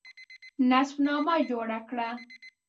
نسب نامه جوړه کړه.